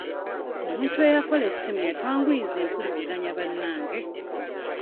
Omuntu eyakola essimu yatwanguyiza empuliziganya bannange.